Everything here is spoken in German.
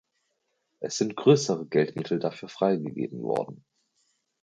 Es sind größere Geldmittel dafür freigegeben worden.